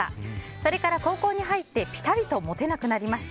それから高校に入ってぴたりとモテなくなりました。